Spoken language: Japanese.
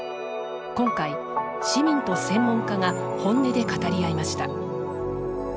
今回、市民と専門家が本音で語り合いました。